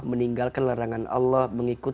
meninggalkan lerangan allah